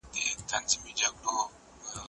هغه څوک چي وخت تېروي منظم وي؟